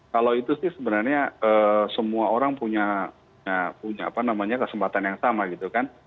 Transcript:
kalau itu sih sebenarnya semua orang punya kesempatan yang sama gitu kan